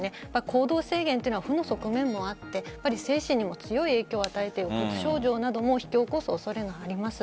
行動制限は負の側面もあって精神にも強い影響を与えてうつ症状なども引き起こす恐れがあります。